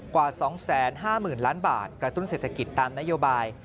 กว่า๒๕๐๐๐ล้านบาทกระตุ้นเศรษฐกิจตามนโยบาย